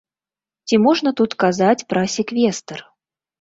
Ці можна тут казаць пра секвестр?